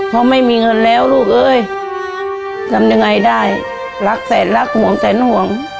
เพราะไม่มีเงินแล้วลูกเอ้ยทำยังไงได้รักแสนรักห่วงแสนห่วง